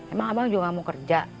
emang abang juga gak mau kerja